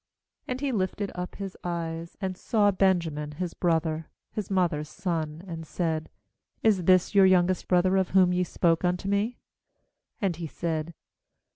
29And he lifted up his eyes, and saw Benja min his brother, his mother's son, and said: 'Is this your youngest brother of whom ye spoke unto me?' And he said.